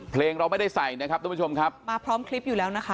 เพลงเราไม่ได้ใส่นะครับทุกผู้ชมครับมาพร้อมคลิปอยู่แล้วนะคะ